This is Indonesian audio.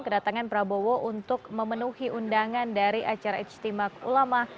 kedatangan prabowo untuk memenuhi undangan dari acara ijtima ulama